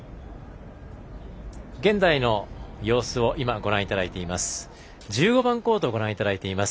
現在の様子をご覧いただいています。